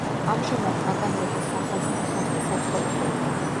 ამჟამად ტაგანროგის სახაზინო სახლი საცხოვრებელია.